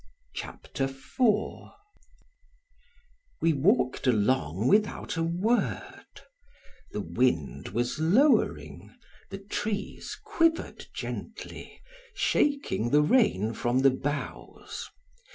CHAPTER IV WE walked along without a word; the wind was lowering; the trees quivered gently, shaking the rain from the boughs.